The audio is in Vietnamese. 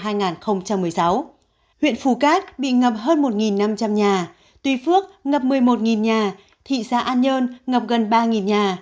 huyện phù cát bị ngập hơn một năm trăm linh nhà tuy phước ngập một mươi một nhà thị xã an nhơn ngập gần ba nhà